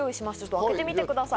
開けてみてください。